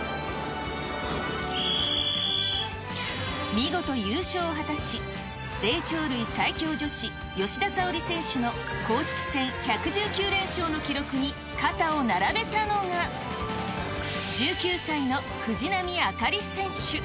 見事優勝を果たし、霊長類最強女子、吉田沙保里選手の公式戦１１９連勝の記録に肩を並べたのが、１９歳の藤波朱理選手。